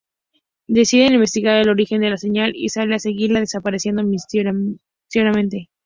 Decide investigar el origen de la señal y sale a seguirla, desapareciendo misteriosamente.